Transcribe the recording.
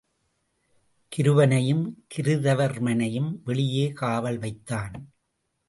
கிருபனையும் கிருதவர்மனையும் வெளியே காவல் வைத் தான்.